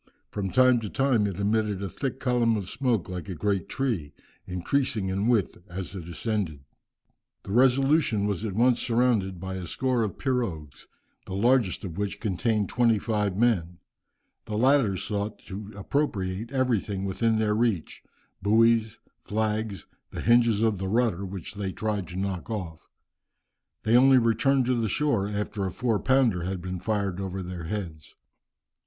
From time to time it emitted a thick column of smoke like a great tree, increasing in width as it ascended." The Resolution was at once surrounded by a score of pirogues, the largest of which contained twenty five men. The latter sought to appropriate everything within their reach, buoys, flags, the hinges of the rudder, which they tried to knock off. They only returned to the shore after a four pounder had been fired over their heads.